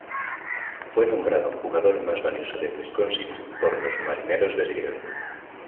Fue nombrado Jugador Más Valioso de Wisconsin por los Marineros de Seattle.